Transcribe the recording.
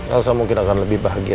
rasa mungkin akan lebih bahagia